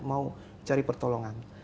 mau cari pertolongan